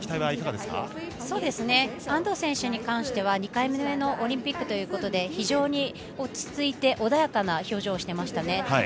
安藤選手に関しては２回目のオリンピックということで、非常に落ち着いて穏やかな表情をしていましたね。